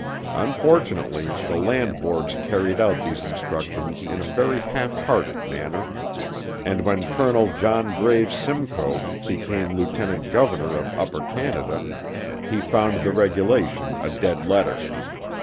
Unfortunately, the land boards carried out these instructions in a very half hearted manner, and when Colonel John Graves Simcoe became lieutenant governor of Upper Canada, he found the regulation a dead letter.